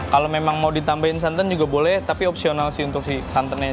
kalau memang mau ditambahin santan juga boleh tapi opsional sih untuk si santannya